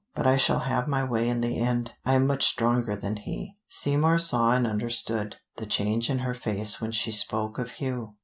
But I shall have my way in the end. I am much stronger than he." Seymour saw and understood the change in her face when she spoke of Hugh.